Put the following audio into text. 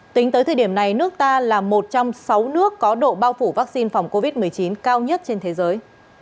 tính tới thời điểm này nước ta là một trong sáu nước có độ bao phủ vaccine phòng covid một mươi chín cao nhất trên thế giới